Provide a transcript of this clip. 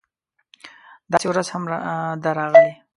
داسې ورځ هم ده راغلې